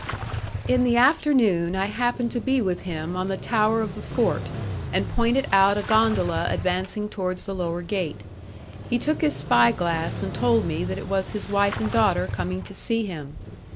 In the afternoon I happened to be with him on the tower of the fort, and pointed out a gondola advancing towards the lower gate; he took his spy glass and told me that it was his wife and daughter coming to see him.